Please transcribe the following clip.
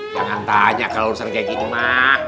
jangan tanya kalo rusak kayak gini mah